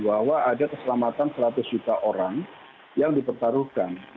bahwa ada keselamatan seratus juta orang yang dipertaruhkan